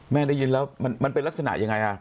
ได้ยินแล้วมันเป็นลักษณะยังไง